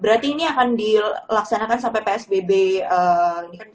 berarti ini akan dilaksanakan sampai psbb ini